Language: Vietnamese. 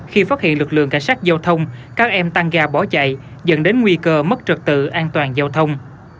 khi phát hiện lực lượng cảnh sát giao thông các em tăng ga bỏ chạy dẫn đến nguy cơ mất trật tự an toàn giao thông